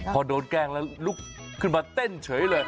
พอโดนแกล้งแล้วลุกขึ้นมาเต้นเฉยเลย